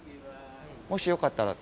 もしよかったら。